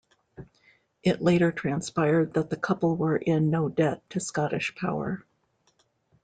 It later transpired that the couple were in no debt to Scottish Power.